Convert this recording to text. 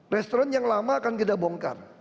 restoran yang lama akan kita bongkar